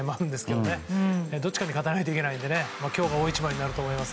どっちかに勝たないといけないので今日が大一番になると思います。